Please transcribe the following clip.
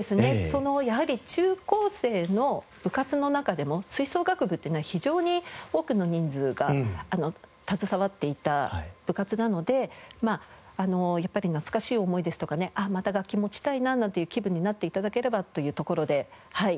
やはり中高生の部活の中でも吹奏楽部っていうのは非常に多くの人数が携わっていた部活なのでやっぱり懐かしい思いですとかねまた楽器持ちたいななんていう気分になって頂ければというところではい。